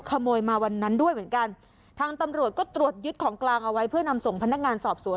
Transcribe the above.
ขโมยมาวันนั้นด้วยเหมือนกันทางตำรวจก็ตรวจยึดของกลางเอาไว้เพื่อนำส่งพนักงานสอบสวน